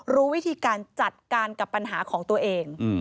รู้วิธีการจัดการกับปัญหาของตัวเอง